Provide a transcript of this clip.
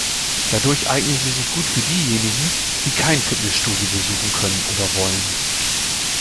Dadurch eignen sie sich gut für diejenigen, die kein Fitnessstudio besuchen können oder wollen.